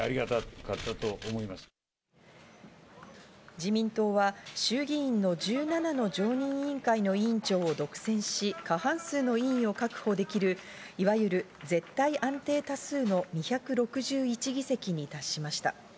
自民党は衆院議員の１７の常任委員会の委員長を独占し、過半数の委員を確保できる、いわゆる絶対安定多数の２６１議席に達しました。